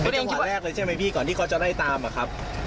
เป็นเจ้าหวัดแรกเลยใช่ไหมพี่ก่อนที่เขาจะได้ตามอะครับ